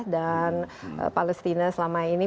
dan palestina selama ini merampok dengan